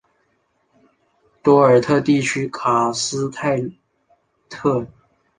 多尔特地区卡斯泰特。